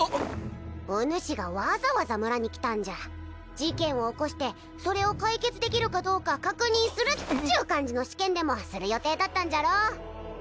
おぬしがわざわざ村に来たんじゃ事件を起こしてそれを解決できるかどうか確認するっちゅう感じの試験でもする予定だったんじゃろ？